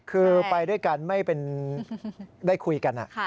คือไปด้วยกันไม่เป็นได้คุยกัน